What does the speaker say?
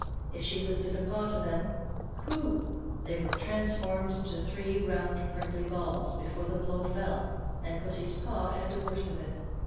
If she lifted a paw to them, pooh! they were transformed into three round prickly balls, before the blow fell, and pussy's paw had the worst of it.